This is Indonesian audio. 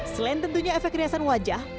selain tentunya efek riasan wajah